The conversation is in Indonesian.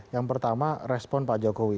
yang pertama respon pak jokowi